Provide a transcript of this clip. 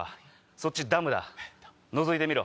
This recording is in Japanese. そっちダムだのぞいてみろ。